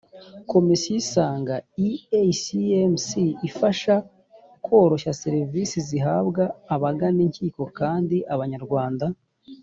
komisiyo isanga iecms ifasha koroshya serivisi zihabwa abagana inkiko kandi abanyarwanda